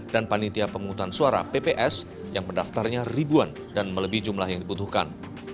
dan panitia pemungutan suara pps yang pendaftarnya ribuan dan melebih jumlah yang dibutuhkan